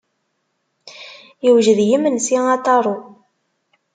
Iwjed yimensi a Taro.